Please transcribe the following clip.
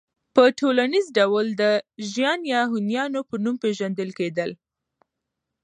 په ټوليز ډول د ژيان يا هونيانو په نوم پېژندل کېدل